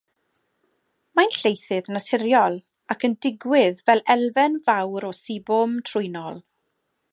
Mae'n lleithydd naturiol ac yn digwydd fel elfen fawr o sebwm trwynol.